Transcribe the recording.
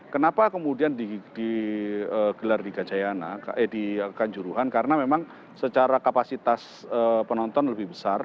kenapa kemudian digelar di gajayana di kanjuruhan karena memang secara kapasitas penonton lebih besar